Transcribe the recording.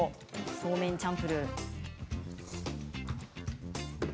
そうめんチャンプルー。